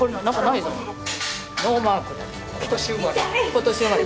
今年生まれ。